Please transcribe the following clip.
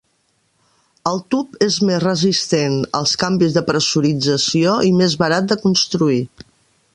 El tub és més resistent als canvis de pressurització i més barat de construir.